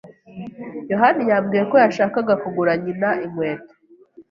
yohani yambwiye ko yashakaga kugura nyina inkweto.